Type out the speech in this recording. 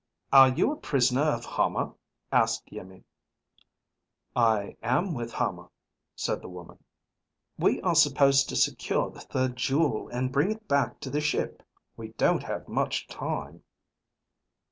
"Are you a prisoner of Hama?" asked Iimmi. "I am with Hama," said the woman. "We are supposed to secure the third jewel and bring it back to the ship. We don't have much time...."